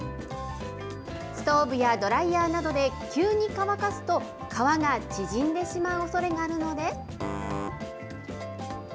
ストーブやドライヤーなどで急に乾かすと、革が縮んでしまうおそれがあるので。